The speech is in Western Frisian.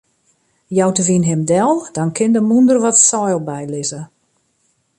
Jout de wyn him del, dan kin de mûnder wat seil bylizze.